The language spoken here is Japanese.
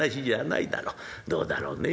どうだろうね？